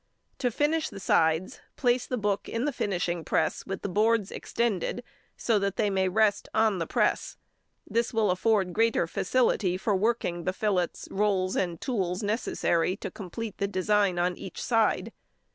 To finish the sides, place the book in the finishing press with the boards extended, so that they may rest on the press. This will afford greater facility for working the fillets, rolls, and tools necessary to complete the design on each side.